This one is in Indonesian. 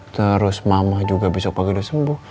terus mama juga besok pagi udah sembuh